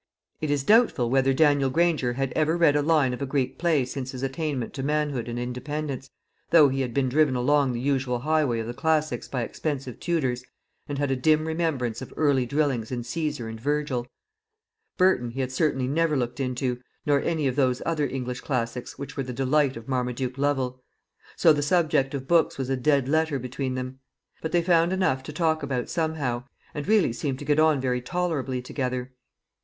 It is doubtful whether Daniel Granger had ever read a line of a Greek play since his attainment to manhood and independence, though he had been driven along the usual highway of the Classics by expensive tutors, and had a dim remembrance of early drillings in Caesar and Virgil. Burton he had certainly never looked into, nor any of those other English classics which were the delight of Marmaduke Lovel; so the subject of books was a dead letter between them. But they found enough to talk about somehow, and really seemed to get on very tolerably together.